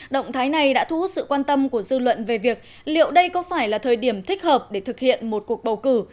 động thái này đã thu hút sự quan tâm của dư luận về việc liệu đây có phải là thời điểm thích hợp để thực hiện một cuộc bầu cử